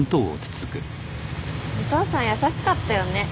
お父さん優しかったよね。